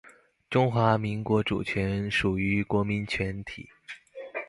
中华民国主权属于国民全体